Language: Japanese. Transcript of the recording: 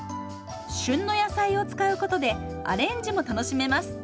旬の野菜を使うことでアレンジも楽しめます。